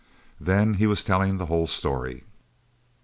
Then he was telling the whole story.